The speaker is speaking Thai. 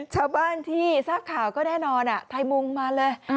ชาวบ้านที่ทราบข่าวก็แน่นอนไทยมุงมาเลย